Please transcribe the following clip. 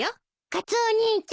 カツオお兄ちゃん。